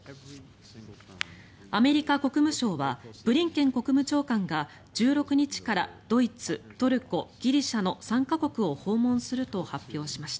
アメリカ国務省はブリンケン国務長官が１６日からドイツ、トルコギリシャの３か国を訪問すると発表しました。